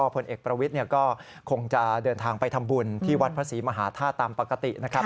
ผลเอกประวิทย์ก็คงจะเดินทางไปทำบุญที่วัดพระศรีมหาธาตุตามปกตินะครับ